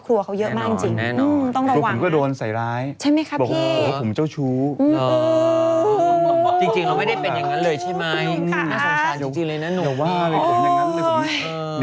เพื่อนรักสำนูคนมาต่อมาครับ